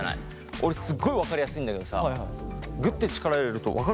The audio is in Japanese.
俺すごい分かりやすいんだけどさぐって力入れると分かるかな？